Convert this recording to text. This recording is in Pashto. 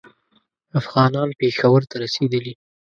افغانان پېښور ته رسېدلي.